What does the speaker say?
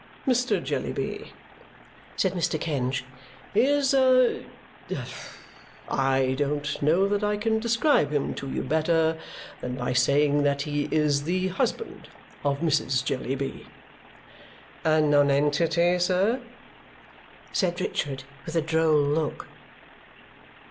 Mr. Jellyby," said Mr. Kenge, "is a I don't know that I can describe him to you better than by saying that he is the husband of Mrs. Jellyby." "A nonentity, sir?" said Richard with a droll look.